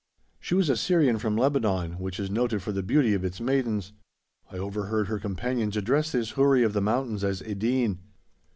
She was a Syrian from Lebanon, which is noted for the beauty of its maidens; I overheard her companions address this Houri of the mountains as "Edeen."